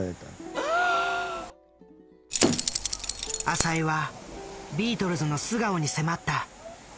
浅井はビートルズの素顔に迫った。